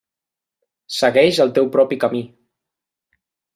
Segueix el teu propi camí.